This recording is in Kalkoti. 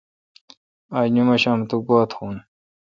آج نمشام تو گوا تھون۔